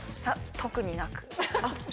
特になく？